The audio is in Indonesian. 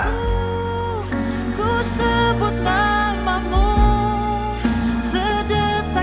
aku sebut nama mu